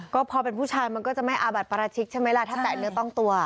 ก็พอเป็นผู้ชายมันก็จะไม่อาบัติปราชิกใช่ไหมล่ะถ้าแตะเนื้อต้องตัว